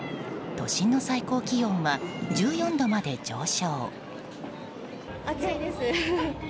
都心の最高気温は１４度まで上昇。